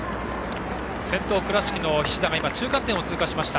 先頭、倉敷の菱田が中間点を通過しました。